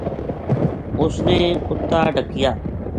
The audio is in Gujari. اس نے کُتا ڈَکیا